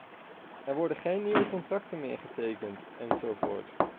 Er worden geen nieuwe contracten meer getekend enzovoort.